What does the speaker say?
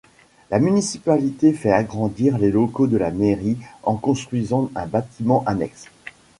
La municipalité fait agrandir les locaux de la mairie en construisant un bâtiment annexe.